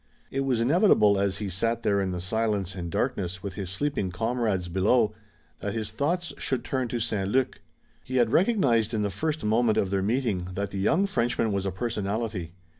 It was inevitable as he sat there in the silence and darkness with his sleeping comrades below that his thoughts should turn to St. Luc. He had recognized in the first moment of their meeting that the young Frenchman was a personality.